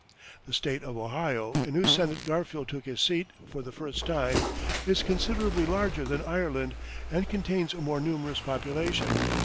The State of Ohio, in whose Senate Garfield took his seat for the first time, is considerably larger than Ireland, and contains a more numerous population.